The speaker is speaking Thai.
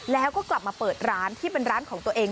แล้วก็กลับมาเปิดร้านที่เป็นร้านของตัวเอง